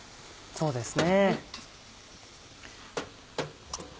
そうですね。